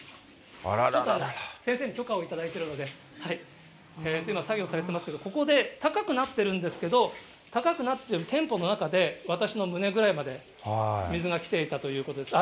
ちょっと先生に許可を頂いているので、今、作業をされていますけれども、ここで高くなってるんですけど、高くなっている店舗の中で私の胸ぐらいまで水が来ていたということです。